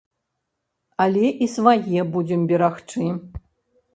Але і свае будзем берагчы.